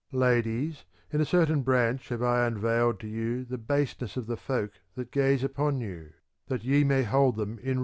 VI Ladies, in a certain branch have I unveiled to you the baseness of the folk that gaze upon you, that ye may 1 The MS.